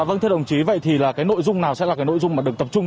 vâng thưa đồng chí vậy thì là cái nội dung nào sẽ là cái nội dung mà được tập trung